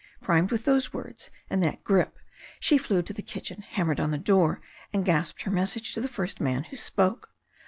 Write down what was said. Primed with those words and that grip she flew to the kitchen, hammered on the door, and gasped her message to the first man who spoke.